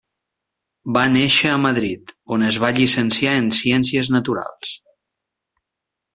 Va néixer a Madrid, on es va llicenciar en Ciències Naturals.